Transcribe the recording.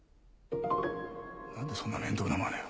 なんでそんな面倒なまねを。